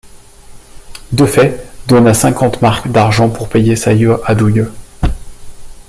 De faict, donna cinquante marcs d’argent pour payer sa ioye à Dieu.